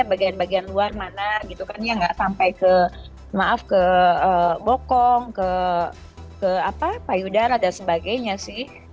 bagian bagian luar mana gitu kan yang nggak sampai ke maaf ke bokong ke payudara dan sebagainya sih